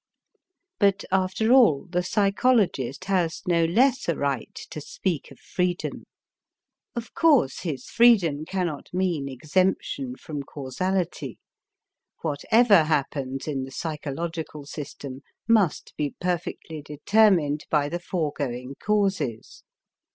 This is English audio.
But after all the psychologist has no less a right to speak of freedom. Of course his freedom cannot mean exemption from causality. Whatever happens in the psychological system must be perfectly determined by the foregoing causes.